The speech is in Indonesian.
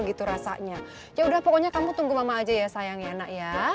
gitu rasanya yaudah pokoknya kamu tunggu mama aja ya sayangnya anak ya